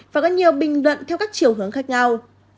và có nhiều bình luận theo các chiều hướng khác nhau